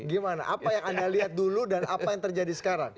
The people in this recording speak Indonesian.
gimana apa yang anda lihat dulu dan apa yang terjadi sekarang